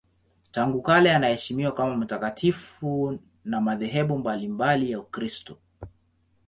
Tangu kale anaheshimiwa kama mtakatifu na madhehebu mbalimbali ya Ukristo.